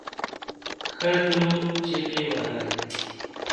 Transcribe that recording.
ښځو چیغې وهلې.